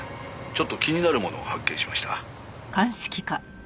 ちょっと気になるものを発見しました」